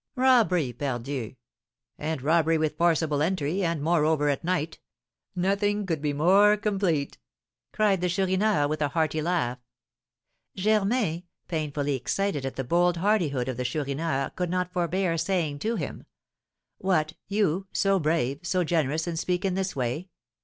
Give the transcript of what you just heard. "Robbery, pardieu! And robbery with forcible entry, and moreover at night; nothing could be more complete!" cried the Chourineur, with a hearty laugh. Germain, painfully excited at the bold hardihood of the Chourineur, could not forbear saying to him: "What, you, so brave, so generous, and speak in this way!